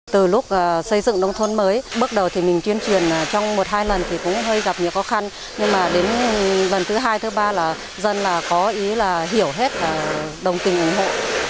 từ lúc xây dựng nông thôn mới bước đầu mình chuyên truyền trong một hai lần cũng gặp nhiều khó khăn nhưng đến lần thứ hai ba là dân có ý hiểu hết đồng tình ủng hộ